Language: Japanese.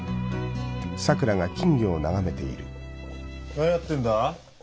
何やってんだ？